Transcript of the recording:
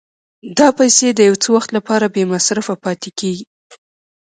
دا پیسې د یو څه وخت لپاره بې مصرفه پاتې کېږي